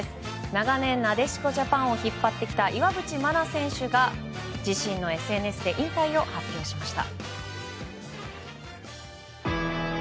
長年、なでしこジャパンを引っ張ってきた岩渕真奈選手が自身のＳＮＳで引退を発表しました。